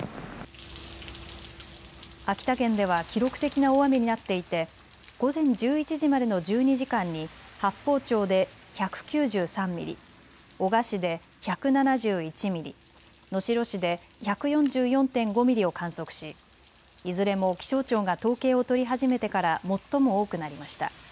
秋田県では記録的な大雨になっていて午前１１時までの１２時間に八峰町で１９３ミリ、男鹿市で１７１ミリ、能代市で１４４．５ミリを観測しいずれも気象庁が統計を取り始めてから最も多くなりました。